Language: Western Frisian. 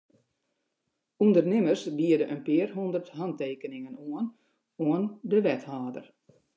Undernimmers biede in pear hûndert hantekeningen oan oan de wethâlder.